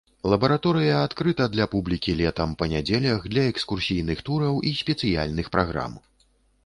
Лабараторыя адкрыта для публікі летам па нядзелях для экскурсійных тураў і спецыяльных праграм.